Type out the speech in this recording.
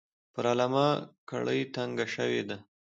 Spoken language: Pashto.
پر علامه کړۍ تنګه شوې ده.